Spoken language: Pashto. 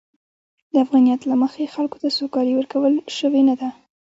د افغانیت له مخې، خلکو ته سوکالي ورکول شوې نه ده.